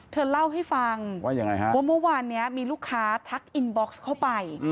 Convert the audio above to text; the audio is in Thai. เธอเล่าให้ฟังว่ายังไงฮะว่าเมื่อวานนี้มีลูกค้าทักอินบ็อกซ์เข้าไป